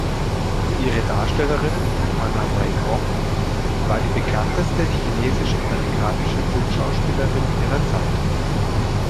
Ihre Darstellerin, Anna May Wong, war die bekannteste chinesisch-amerikanische Filmschauspielerin ihrer Zeit.